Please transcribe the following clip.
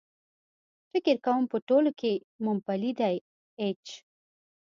فکر کوم په ټولو کې مومپلي دي.H